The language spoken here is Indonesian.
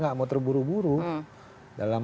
nggak mau terburu buru dalam